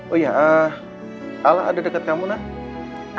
oh iya ala ada dekat kamu nak